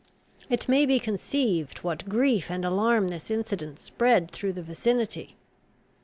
It may be conceived, what grief and alarm this incident spread through the vicinity.